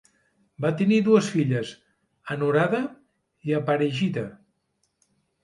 Van tenir dues filles, Anuradha i Aparijitha.